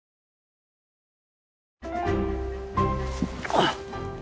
あっ！